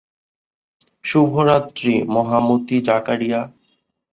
শুভরাত্রি মহামতি জাকারিয়া।